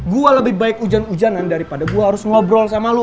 gua lebih baik hujan hujanan daripada gua harus ngobrol sama lu